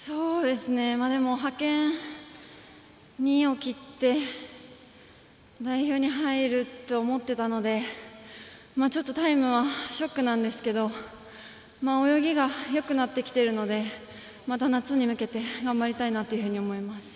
派遣２位を切って代表に入ると思っていたのでちょっとタイムはショックなんですけど泳ぎがよくなってきてるのでまた夏に向けて頑張りたいなというふうに思います。